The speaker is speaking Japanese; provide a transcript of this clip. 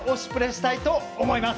したいと思います。